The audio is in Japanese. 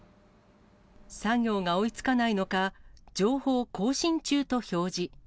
作業が追いつかないのか、情報更新中と表示。